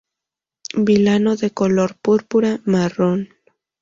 Vilano de color púrpura-marrón.